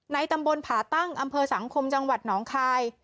ตำบลผ่าตั้งอำเภอสังคมจังหวัดหนองคาย